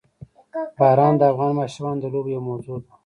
باران د افغان ماشومانو د لوبو یوه موضوع ده.